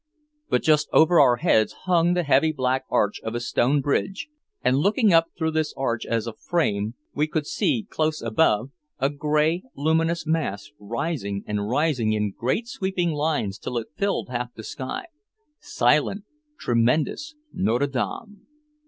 But just over our heads hung the heavy black arch of a stone bridge, and looking up through this arch as a frame we could see close above a gray, luminous mass rising and rising in great sweeping lines till it filled half the sky silent, tremendous, Notre Dame.